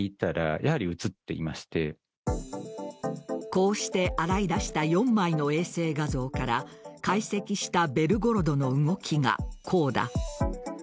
こうして洗い出した４枚の衛星画像から解析した「ベルゴロド」の動きがこうだ。